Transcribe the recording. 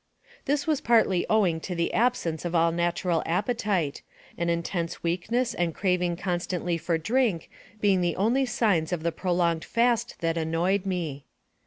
This was partly owing to the absence of all natural appetite, an intense weakness and craving constantly for drink being the only signs of the prolonged fast that annoyed me.